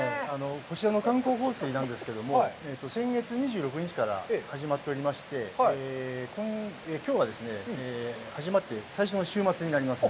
こちらの観光放水なんですけど、先月２６日から始まっておりまして、きょうはですね、始まって最初の週末になります。